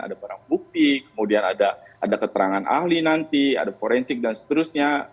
ada barang bukti kemudian ada keterangan ahli nanti ada forensik dan seterusnya